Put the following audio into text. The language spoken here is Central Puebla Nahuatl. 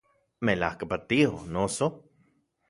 Melajka patio, noso